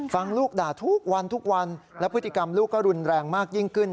ฟังลูกด่าทุกวันทุกวันและพฤติกรรมลูกก็รุนแรงมากยิ่งขึ้น